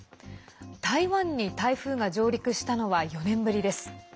台湾に台風が上陸したのは４年ぶりです。